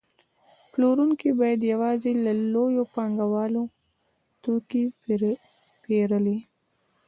پلورونکي باید یوازې له لویو پانګوالو توکي پېرلی